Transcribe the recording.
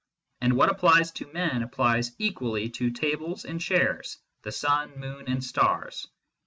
And what applies to men applies equally to tables and chairs, the sun, moon and stars.